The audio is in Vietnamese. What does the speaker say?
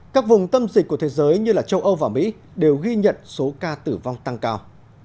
các vùng tâm dịch của thế giới như châu âu và mỹ đều ghi nhận số ca tử vong tăng cao